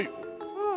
うん。